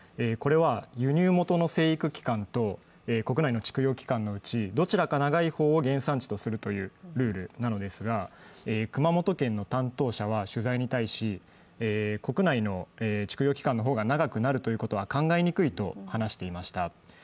これは輸入元の成育期間と国内の蓄養期間のうちどちらか長い方を原産地とするというルールなのですが熊本県の担当者は取材に対し、国内の蓄養期間の方が長くなるということは考えにくいと話していました。